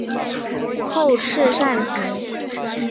后翅扇形。